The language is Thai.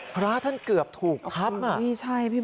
พระท่านเกือบถูกทัพน่ะอันนี้ต้องเรียกว่าพระรอด